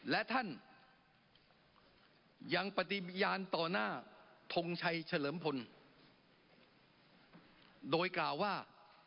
และท่านยังปฏิบัญญาณต่อหน้าทงชัยเฉลิมพลโดยกล่าวว่า